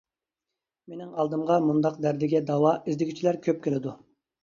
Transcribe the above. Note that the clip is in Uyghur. مېنىڭ ئالدىمغا مۇنداق دەردىگە داۋا ئىزدىگۈچىلەر كۆپ كېلىدۇ.